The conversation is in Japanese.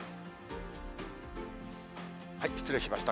失礼しました。